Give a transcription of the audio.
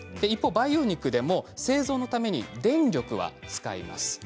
培養肉でも製造のために電力を使います。